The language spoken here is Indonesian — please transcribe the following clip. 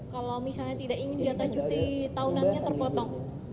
kalau misalnya tidak ingin jatah cuti tahunannya terpotong